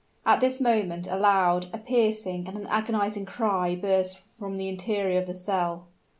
At this moment a loud, a piercing, and an agonizing cry burst from the interior of the cell.